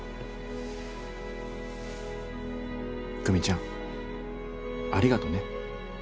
久美ちゃんありがとね